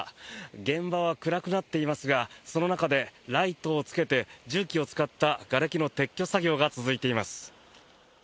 現場は暗くなっていますがその中でライトをつけて重機を使ったがれきの撤去作業が続いています。